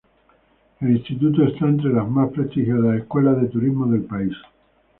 El instituto está entre las más prestigiosas escuelas de turismo del país.